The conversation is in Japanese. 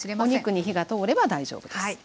お肉に火が通れば大丈夫です。